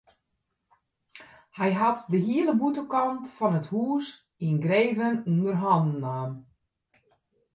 Hy hat de hiele bûtenkant fan it hûs yngreven ûnder hannen nommen.